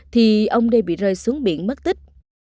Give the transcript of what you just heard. thì ông đây bị rơi xuống biển mất tích